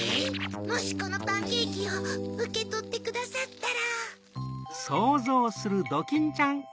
もしこのパンケーキをうけとってくださったら。